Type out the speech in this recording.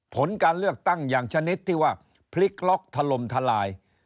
ผลการเลือกตั้งอย่างชนิดที่ว่าพลิกล็อกถล่มทลาย